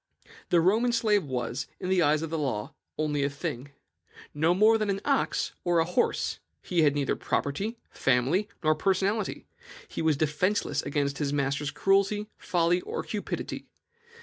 "The Roman slave was, in the eyes of the law, only a thing, no more than an ox or a horse. He had neither property, family, nor personality; he was defenceless against his master's cruelty, folly, or cupidity.